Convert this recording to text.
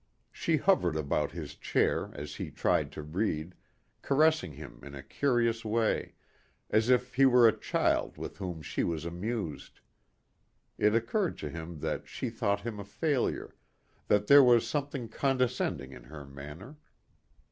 She hovered about his chair as he tried to read, caressing him in a curious way, as if he were a child with whom she was amused. It occurred to him that she thought him a failure, that there was something condescending in her manner.